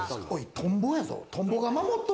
トンボやぞ。